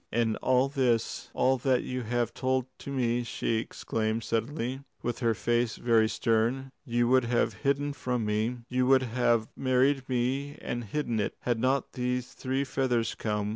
"And all this all that you have told to me," she exclaimed suddenly, with her face very stern, "you would have hidden from me? You would have married me and hidden it, had not these three feathers come?"